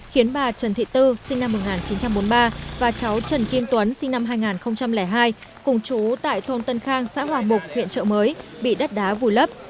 khiến bà trần thị tư sinh năm một nghìn chín trăm bốn mươi ba và cháu trần kim tuấn sinh năm hai nghìn hai cùng chú tại thôn tân khang xã hòa mục huyện trợ mới bị đất đá vùi lấp